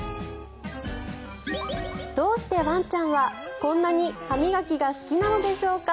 どうしてワンちゃんはこんなに歯磨きが好きなのでしょうか。